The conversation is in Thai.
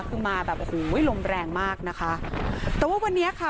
คือมาแบบโอ้โหลมแรงมากนะคะแต่ว่าวันนี้ค่ะ